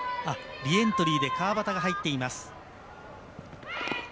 リエントリーで川畑が入っています。